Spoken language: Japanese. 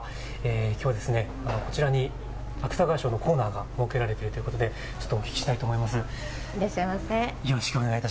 きょう、こちらに芥川賞のコーナーが設けられているということでお聞きたいと思います。